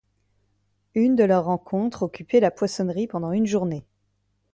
Une de leurs rencontres occupait la poissonnerie pendant une journée.